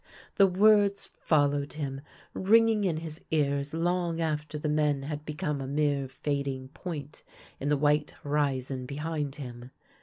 The words followed him, ringing in his ears long after the men had become a mere fading point in the white horizon behind him.